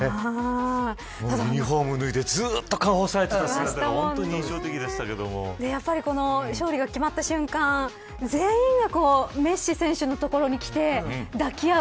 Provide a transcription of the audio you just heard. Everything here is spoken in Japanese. ユニホーム脱いで、ずっと顔を押さえていた姿が勝利が決まった瞬間全員がメッシ選手のところに来て抱き合う